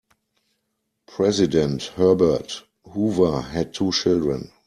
President Herbert Hoover had two children.